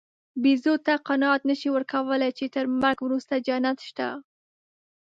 بیزو ته قناعت نهشې ورکولی، چې تر مرګ وروسته جنت شته.